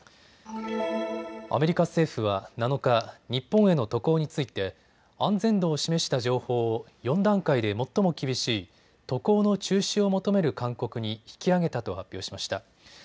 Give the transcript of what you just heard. アメリカ政府は７日、日本への渡航について安全度を示した情報を４段階で最も厳しい渡航の中止を求める勧告に引き上げたと発表しました。